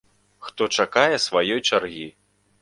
Хто чакае сваёй чаргі.